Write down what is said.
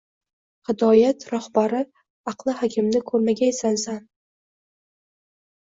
Hidoyat rohbari aqli hakimni koʻrmagaysan, san